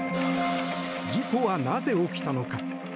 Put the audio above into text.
事故は、なぜ起きたのか。